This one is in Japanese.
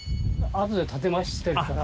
あとで建て増ししてるから。